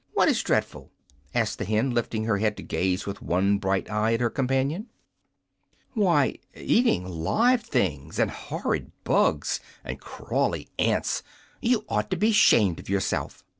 "What is dreadful?" asked the hen, lifting her head to gaze with one bright eye at her companion. "Why, eating live things, and horrid bugs, and crawly ants. You ought to be 'SHAMED of yourself!"